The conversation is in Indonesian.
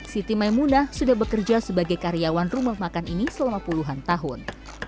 siti maimunah sudah bekerja sebagai karyawan rumah makan ini selama puluhan tahun